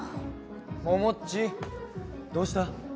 桃っちどうした？